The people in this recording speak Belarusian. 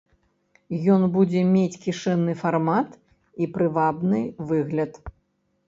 Ён будзе мець кішэнны фармат і прывабны выгляд.